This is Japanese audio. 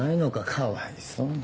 かわいそうに。